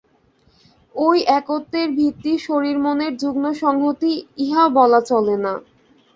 ঐ একত্বের ভিত্তি শরীর-মনের যুগ্ম সংহতি, ইহাও বলা চলে না।